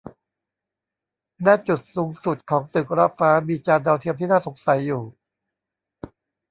ณ จุดสูงสุดของตึกระฟ้ามีจานดาวเทียมที่น่าสงสัยอยู่